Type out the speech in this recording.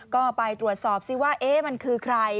ก็ไปตรวจสอบซิว่ามันคือใคร